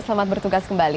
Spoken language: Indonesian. selamat bertugas kembali